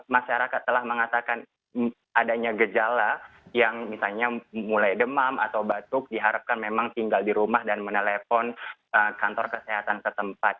masyarakat telah mengatakan adanya gejala yang misalnya mulai demam atau batuk diharapkan memang tinggal di rumah dan menelpon kantor kesehatan setempat